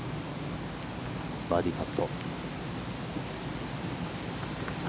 バーディーパット。